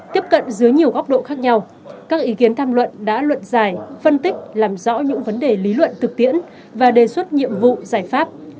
tiếp cận dưới nhiều góc độ khác nhau các ý kiến tham luận đã luận giải phân tích làm rõ những vấn đề lý luận thực tiễn và đề xuất nhiệm vụ giải pháp